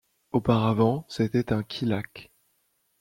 Auparavant c'était un kichlak.